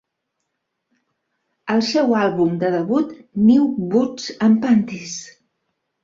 Al seu àlbum de debut, "New Boots and Panties!!"